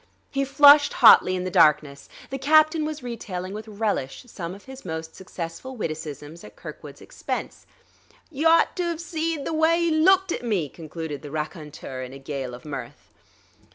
He flushed hotly in the darkness; the captain was retailing with relish some of his most successful witticisms at Kirkwood's expense.... "You'd ought to've seed the wye'e looked at me!" concluded the raconteur in a gale of mirth.